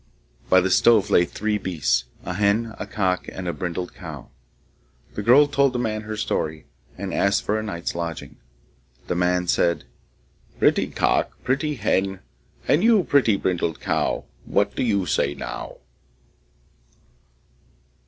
By the stove lay three beasts, a hen, a cock, and a brindled cow. The girl told the old man her story, and asked for a night's lodging. The man said: Pretty cock, Pretty hen, And you, pretty brindled cow, What do you say now?